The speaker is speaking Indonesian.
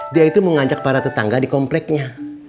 dia itu mau ngajak para tetangga di kompleknya